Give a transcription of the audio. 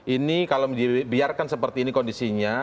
ini kalau dibiarkan seperti ini kondisinya